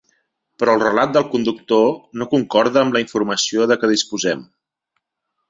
Però el relat del conductor no concorda amb la informació de què disposem.